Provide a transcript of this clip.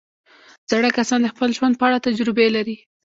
زاړه کسان د خپل ژوند په اړه تجربې لري